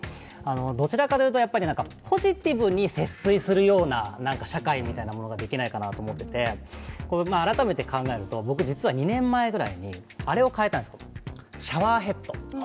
どちらかと言うとポジティブに節水するような社会みたいなものができないかなと思っていて改めて考えると僕実は２年前くらいにあれを変えたんですよ、シャワーヘッド。